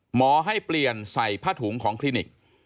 หมอให้เปลี่ยนใส่ผ้าถุงของคลินิก